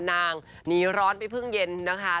หนีร้อนไปเพิ่งเย็นนะคะ